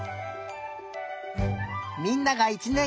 みんなが１ねん